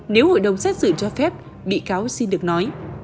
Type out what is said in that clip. nếu hội đồng xét xử cho phép bị cáo xin được nói